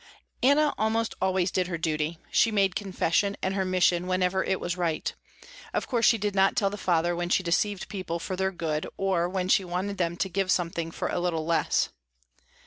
Anna almost always did her duty. She made confession and her mission whenever it was right. Of course she did not tell the father when she deceived people for their good, or when she wanted them to give something for a little less.